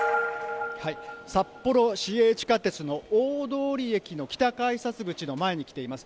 札幌市営地下鉄の大通駅の北改札口の前に来ています。